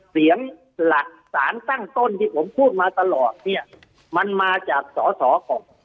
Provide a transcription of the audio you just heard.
เสียงหลักสารสร้างต้นที่คุณพูดมาตลอดมันมาจากสศกับผม